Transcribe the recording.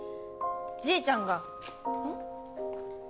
じいちゃんが。えっ？